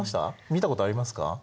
見たことありますか？